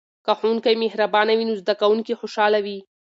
که ښوونکی مهربانه وي نو زده کوونکي خوشحاله وي.